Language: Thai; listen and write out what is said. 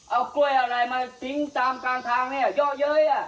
เอากล้วยอะไรมาพิ้งฟิงตามกลางทางเยอะเย้ย